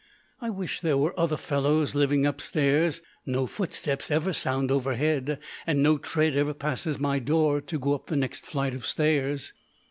I wish there were other fellows living upstairs. No footsteps ever sound overhead, and no tread ever passes my door to go up the next flight of stairs.